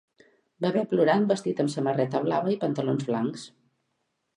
bebè plorant vestit amb samarreta blava i pantalons blancs.